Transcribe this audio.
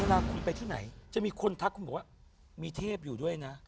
เวลาคุณไปที่ไหนจะมีคนทักคุณบอกว่ามีเทพอยู่ด้วยนะ